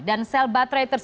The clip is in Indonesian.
dan sel baterai